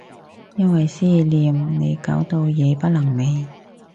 因為思念你搞到夜不能寐